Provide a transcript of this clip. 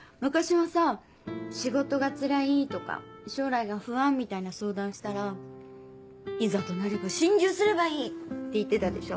仕事がつらいとか将来が不安みたいな相談したら「いざとなれば心中すればいい！」って言ってたでしょ